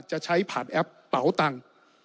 จะใช้ผ่านแอปเป๋าตังค์